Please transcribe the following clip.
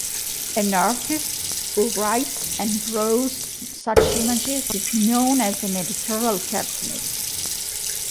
An artist who writes and draws such images is known as an editorial cartoonist.